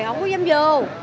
không có dám vô